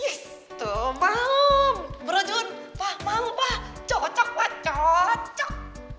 yes tuh mau bro jun pak mau pak cocok pak cocok